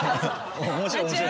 「面白い面白い」